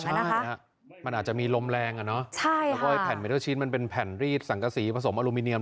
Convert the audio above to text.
ใช่มันอาจจะมีลมแรงแล้วก็แผ่นเมทัลชีสมันเป็นแผ่นรีดสังกะสีผสมอลูมิเนียม